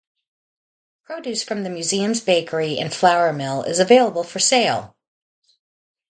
Produce from the museum's bakery and flour mill is available for sale.